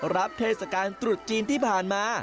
เทศกาลตรุษจีนที่ผ่านมา